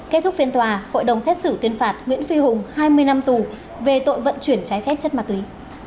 kết thúc phiên tòa hội đồng xét xử tuyên phạt nguyễn phi hùng hai mươi năm tù về tội vận chuyển trái phép chất ma túy